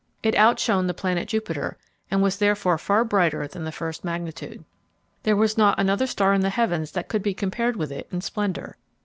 It outshone the planet Jupiter, and was therefore far brighter than the first magnitude. There was not another star in the heavens that could be compared with it in splendor.